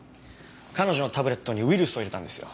彼女のタブレットにウイルスを入れたんですよ。